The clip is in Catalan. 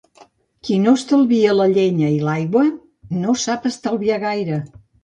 Qui no estalvia la llenya i l'aigua no sap estalviar gaire.